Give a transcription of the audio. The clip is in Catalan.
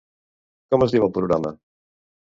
Com es diu el programa?